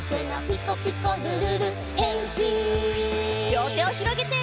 りょうてをひろげて！